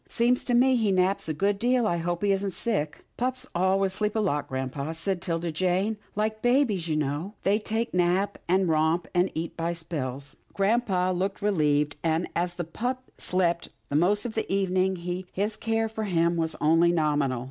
"Seems to me he naps a good deal. I hope he isn't sick." " Pups always sleep a lot, grampa," said 'Tilda Jane, " like babies, you know. They just nap, and romp and eat by spells." Grampa looked relieved, and, as the pup slept the most of the evening, his care of him was only nominal.